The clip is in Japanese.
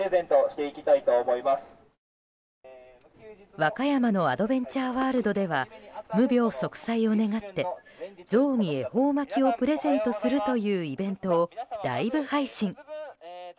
和歌山のアドベンチャーワールドでは無病息災を願ってゾウに恵方巻きをプレゼントするというイベントをライブ配信。